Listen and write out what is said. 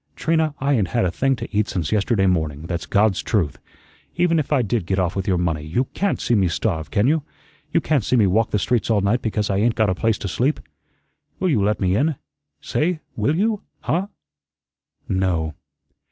"Trina, I ain't had a thing to eat since yesterday morning; that's God's truth. Even if I did get off with your money, you CAN'T see me starve, can you? You can't see me walk the streets all night because I ain't got a place to sleep. Will you let me in? Say, will you? Huh?" "No."